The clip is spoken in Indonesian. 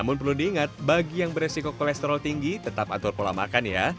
namun perlu diingat bagi yang beresiko kolesterol tinggi tetap atur pola makan ya